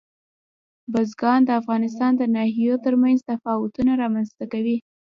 بزګان د افغانستان د ناحیو ترمنځ تفاوتونه رامنځته کوي.